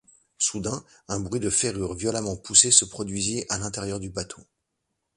Soudain, un bruit de ferrures violemment poussées se produisit à l’intérieur du bateau.